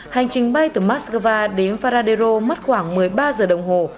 hành trình bay từ moscow đến faradero mất khoảng một mươi ba giờ đồng hồ